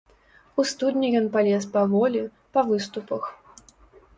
У студню ён палез паволі, па выступах.